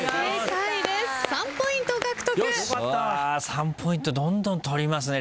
３ポイントどんどん取りますね